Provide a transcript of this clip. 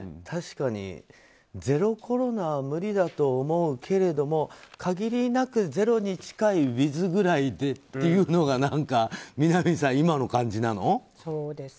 確かに、ゼロコロナは無理だと思うけれども限りなくゼロに近いウィズくらいでというのが南さん、今の感じなの？